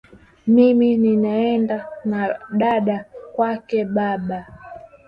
Mimi nitaenda na dada kwake baba